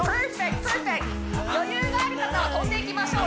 余裕がある方は跳んでいきましょう